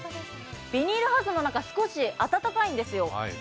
ビニールハウスの中、少し暖かいんですよ。